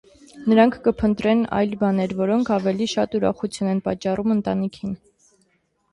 Նրանք կփնտրեն այլ բաներ, որոնք ավելի շատ ուրախություն են պատճառում ընտանիքին։